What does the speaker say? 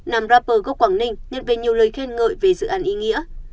nam rapur gốc quảng ninh nhận về nhiều lời khen ngợi về dự án ý nghĩa